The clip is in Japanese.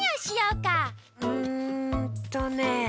うんとね。